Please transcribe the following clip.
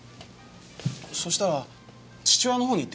そしたら父親の方に言ってくれって。